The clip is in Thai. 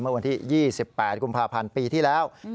เมื่อวันที่๒๘กุมภาพันธ์ปีที่แล้ว